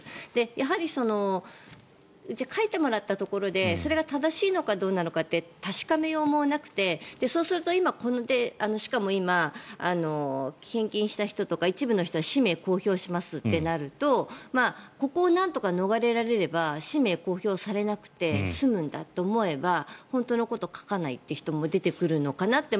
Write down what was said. やはりじゃあ書いてもらったところでそれが正しいのかどうなのかって確かめようもなくてそうするとしかも今、献金した人とか一部の人は氏名を公表するとなるとここをなんとか逃れられれば氏名が公表されなくて済むんだって思えば本当のことを書かないという人も出てくるのかなって